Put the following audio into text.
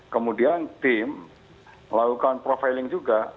kemudian tim melakukan profiling juga